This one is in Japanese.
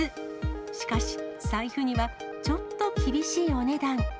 しかし、財布にはちょっと厳しいお値段。